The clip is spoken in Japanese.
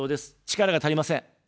力が足りません。